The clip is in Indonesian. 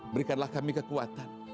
berikanlah kami kekuatan